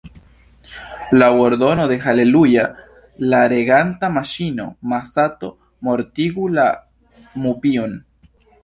Laŭ ordono de Haleluja, la reganta maŝino, Masato mortigu la mupion.